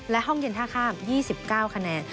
และห้องเย็นท่าข้าม๒๙คะแนน